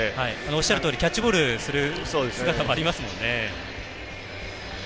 おっしゃるとおりキャッチボールをする姿もありますもんね。